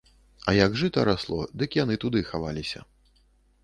А як жыта расло, дык яны туды хаваліся.